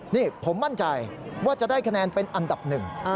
นี่ผมมั่นใจว่าจะได้คะแนนเป็นอันดับหนึ่ง